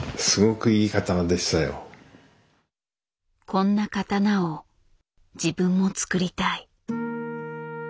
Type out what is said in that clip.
こんな刀を自分も作りたい。